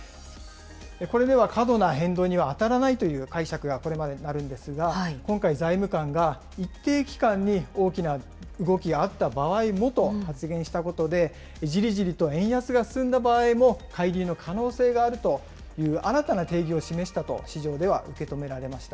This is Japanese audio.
これでは過度な変動には当たらないという解釈がこれまでなるんですが、今回、財務官が一定期間に大きな動きがあった場合もと発言したことで、じりじりと円安が進んだ場合も介入の可能性があるという新たな定義を示したと市場では受け止められました。